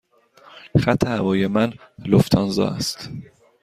خط هوایی من لوفتانزا است.